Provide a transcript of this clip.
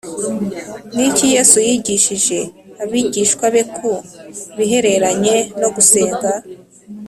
Ni iki Yesu yigishije abigishwa be ku bihereranye no gusenga